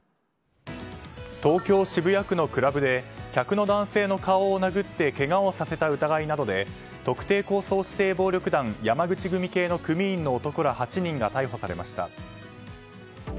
東京・渋谷区のクラブで客の男性の顔を殴ってけがをさせた疑いなどで特定抗争指定暴力団山口組系の組員の男ら８人が逮捕されました。